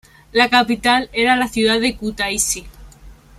La capital era la ciudad de Kutaisi.